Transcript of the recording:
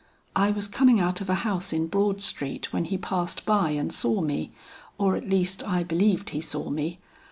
"I was coming out of a house in Broad Street when he passed by and saw me, or at least I believed he saw me.